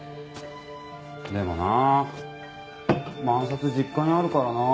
でもなあ万札実家にあるからな。